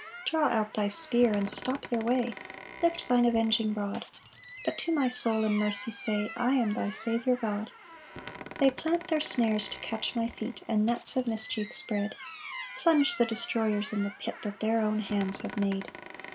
2 Draw out thy spear and stop their way, Lift thine avenging rod; But to my soul in mercy say, "I am thy Saviour God." 3 They plant their snares to catch my feet, And nets of mischief spread; Plunge the destroyers in the pit That their own hands have made.